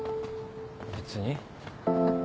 別に。